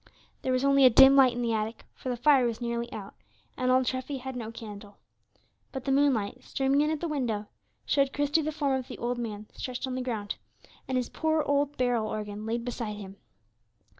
There was only a dim light in the attic, for the fire was nearly out, and old Treffy had no candle. But the moonlight, streaming in at the window, showed Christie the form of the old man stretched on the ground, and his poor old barrel organ laid beside him.